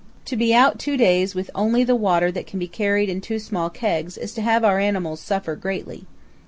To be out two days with only the water that can be carried in two small kegs is to have our animals suffer greatly.